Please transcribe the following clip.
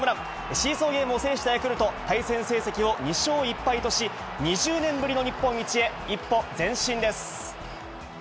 シーソーゲームを制したヤクルト、対戦成績を２勝１敗とし、２０年ぶりの日本一へ、一歩前進です。